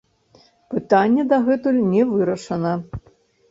Пытанне дагэтуль не вырашана.